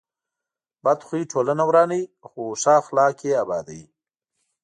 بد خوی ټولنه ورانوي، خو ښه اخلاق یې ابادوي.